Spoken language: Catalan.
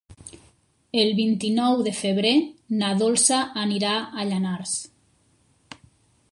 El vint-i-nou de febrer na Dolça anirà a Llanars.